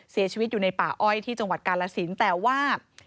เสียชีวิตอยู่ในป่าอ้อยที่จังหวัดกาลสินแต่ว่า